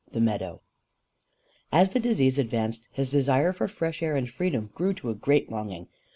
THE MEADOW. As the disease advanced, his desire for fresh air and freedom grew to a great longing.